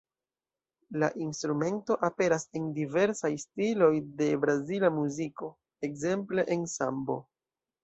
La instrumento aperas en diversaj stiloj de brazila muziko, ekzemple en sambo.